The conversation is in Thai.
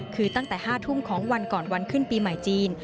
คือตั้งแต่๕ทุ่มของวันก่อนวันขึ้นปีใหม่จีน